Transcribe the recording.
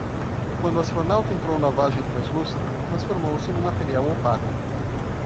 Quando o astronauta entrou na vagem translúcida, transformou-se num material opaco.